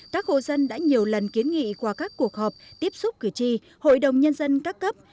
các hộ dân đã nhiều lần kiến nghị qua các cuộc họp tiếp xúc cử tri hội đồng nhân dân các cấp